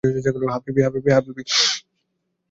হ্যা, বেবি?